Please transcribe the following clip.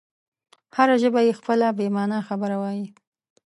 هره ژبه یې خپله بې مانا خبره وایي.